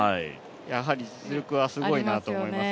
やはり実力はすごいなと思います。